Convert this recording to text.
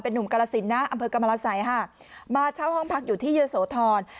หนุ่มกาลสินนะอำเภอกรรมราศัยค่ะมาเช่าห้องพักอยู่ที่เยอะโสธร